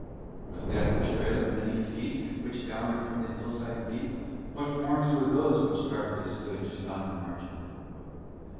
Was that the tread of many feet, Which downward from the hillside beat? What forms were those which darkly stood Just on the margin of the wood?